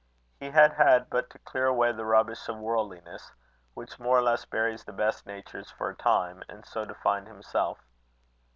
He had had but to clear away the rubbish of worldliness, which more or less buries the best natures for a time, and so to find himself.